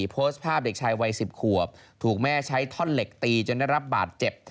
โพสต์ภาพเด็กชายวัย๑๐ขวบถูกแม่ใช้ท่อนเหล็กตีจนได้รับบาดเจ็บ